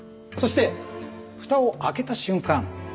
そして蓋を開けた瞬間